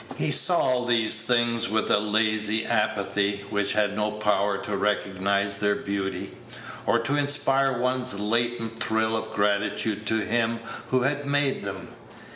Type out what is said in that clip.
He saw all these things with a lazy apathy, which had no power to recognize their beauty, or to inspire one latent thrill of gratitude to Him who had made them.